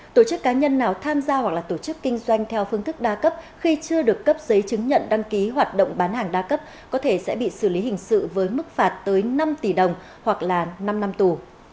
tổ chức cá nhân nào tham gia hoặc là tổ chức kinh doanh theo phương thức đa cấp khi chưa được cấp giấy chứng nhận đăng ký hoạt động bán hàng đa cấp có thể sẽ bị xử lý hình sự với mức phạt tới năm tỷ đồng hoặc là năm năm tù